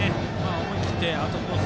思い切ってアウトコース